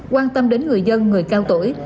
quan tâm đến người dân người cao tuổi